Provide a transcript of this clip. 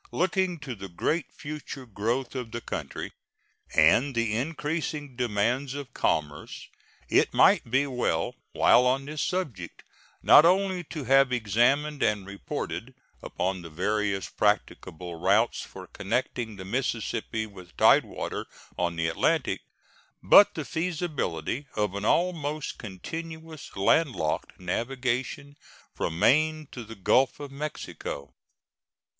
Looking to the great future growth of the country and the increasing demands of commerce, it might be well while on this subject not only to have examined and reported upon the various practicable routes for connecting the Mississippi with tide water on the Atlantic, but the feasibility of an almost continuous landlocked navigation from Maine to the Gulf of Mexico.